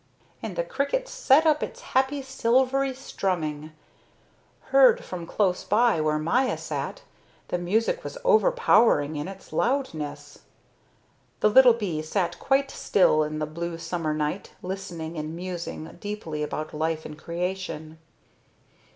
And the cricket set up its happy silvery strumming. Heard from close by, where Maya sat, the music was overpowering in its loudness. The little bee sat quite still in the blue summer night listening and musing deeply about life and creation.